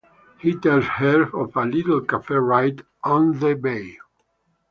He tells her of "a little cafe right on the bay".